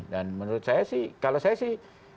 dan menurut saya sih kalau saya sih